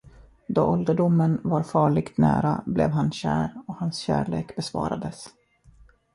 Då ålderdomen var farligt nära blev han kär och hans kärlek besvarades.